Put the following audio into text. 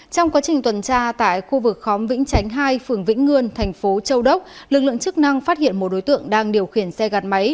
trong quá trình tuần tra tại khu vực khóm vĩnh chánh hai phường vĩnh ngươn thành phố châu đốc lực lượng chức năng phát hiện một đối tượng đang điều khiển xe gạt máy